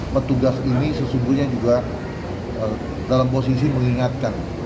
petugas ini sesungguhnya juga dalam posisi mengingatkan